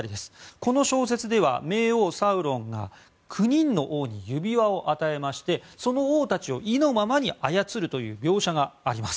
この小説では冥王サウロンが９人の王に指輪を与えましてその王たちを意のままに操るという描写があります。